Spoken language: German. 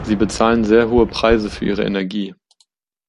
Sie bezahlen sehr hohe Preise für ihre Energie.